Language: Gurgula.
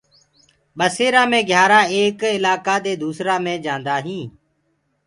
ٻيسرآ مي گھيآرآ ايڪ الآڪآ دي دوسرآ هينٚ۔